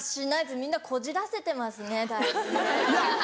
みんなこじらせてますねだいぶね。